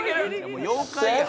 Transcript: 「もう妖怪やん」